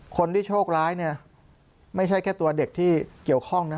คนที่โชคร้ายไม่ใช่แค่ตัวเด็กที่เกี่ยวข้องนะ